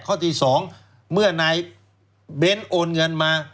ข้อที่สองเมื่อไหนเบนท์โอนเงินมา